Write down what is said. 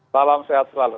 salam sehat selalu